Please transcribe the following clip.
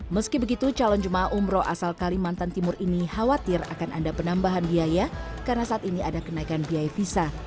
meski begitu calon jemaah umroh asal kalimantan timur ini khawatir akan ada penambahan biaya karena saat ini ada kenaikan biaya visa